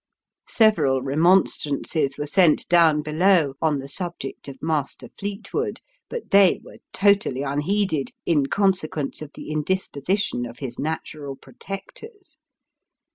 Several remonstrances were sent down below, on the subject of Master Fleetwood, but they were totally unheeded in consequence of the indisposition of his natural protectors.